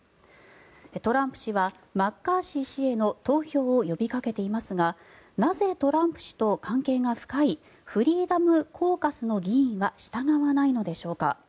トランプ氏はマッカーシー氏への投票を呼びかけていますがなぜ、トランプ氏と関係が深いフリーダム・コーカスの議員は従わないのでしょうか。